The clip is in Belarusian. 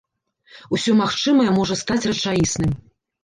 Усё магчымае можа стаць рэчаісным.